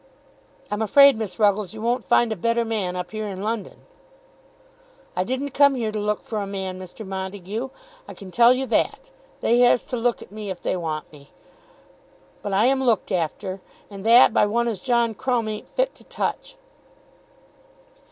"I'm afraid, Miss Ruggles, you won't find a better man up here in London." "I didn't come here to look for a man, Mr. Montague; I can tell you that. They has to look for me, if they want me. But I am looked after; and that by one as John Crumb ain't fit to touch."